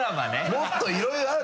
もっといろいろある！